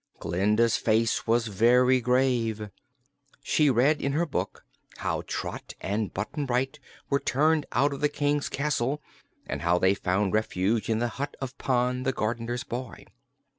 Glinda's face was very grave. She read in her book how Trot and Button Bright were turned out of the King's castle, and how they found refuge in the hut of Pon, the gardener's boy.